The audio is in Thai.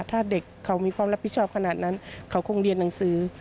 ถ้าเด็กเขามีความรับผิดชอบขนาดนั้นเขาคงเรียนหนังสือ